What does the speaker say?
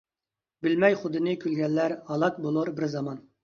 بىلمەي خۇدىنى كۈلگەنلەر ھالاك بولۇر بىر زامان.